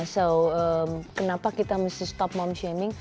so kenapa kita mesti stop mom shaming